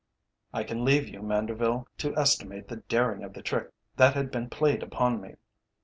I can leave you, Manderville, to estimate the daring of the trick that had been played upon me.